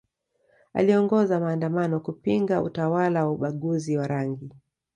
aliongoza maandamano kupinga utawala wa ubaguzi wa rangi